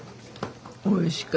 おいしか。